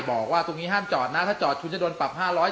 บอกว่าตรงนี้ห้ามจอดนะถ้าจอดคุณจะโดนปรับ๕๐๐